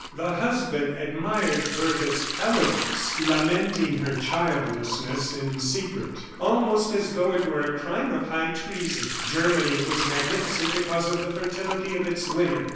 The husband admired Bertha's elegance, lamenting her childlessness in secret, almost as though it were a crime of high treason. Germany was magnificent because of the fertility of its women.